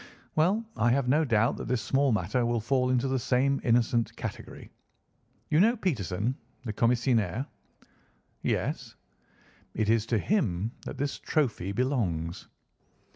Well, I have no doubt that this small matter will fall into the same innocent category. You know Peterson, the commissionaire?" "Yes." "It is to him that this trophy belongs."